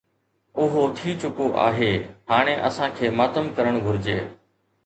اهو ٿي چڪو آهي، هاڻي اسان کي ماتم ڪرڻ گهرجي.